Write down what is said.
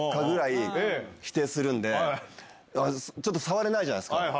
ぐらい、否定するんで、ちょっと触れないじゃないですか。